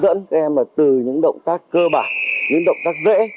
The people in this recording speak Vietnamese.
chúng tôi đã hướng dẫn các em từ những động tác cơ bản những động tác dễ